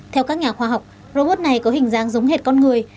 theo các nhà khoa học robot này có hình dáng giống hệt con người